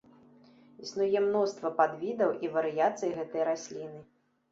Існуе мноства падвідаў і варыяцый гэтай расліны.